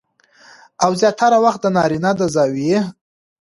او زياتره وخت د نارينه د زاويې